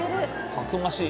たくましい。